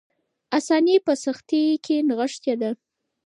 آساني په سختۍ کې نغښتې ده.